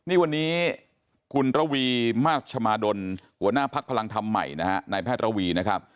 นี่วันนี้คุณระวีมาชมาดลหัวหน้าพักพลังธรรมใหม่นะฮะนายแพทย์ระวีนะครับ